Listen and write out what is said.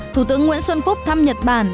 thủ tướng nguyễn xuân phúc thăm nhật bản